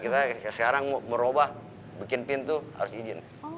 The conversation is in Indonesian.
kita sekarang merubah bikin pintu harus izin